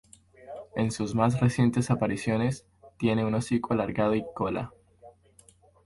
En sus más recientes apariciones, tiene un hocico alargado y cola.